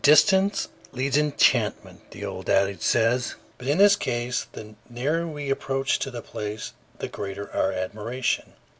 Distance lends enchantment, the old adage says; but in this case the nearer we approached to the place, the greater our admiration.